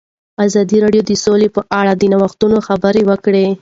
ازادي راډیو د سوله په اړه د نوښتونو خبر ورکړی.